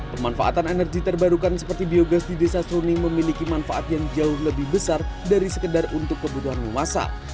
pemanfaatan energi terbarukan seperti biogas di desa seruni memiliki manfaat yang jauh lebih besar dari sekedar untuk kebutuhan memasak